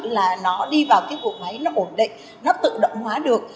là nó đi vào cái bộ máy nó ổn định nó tự động hóa được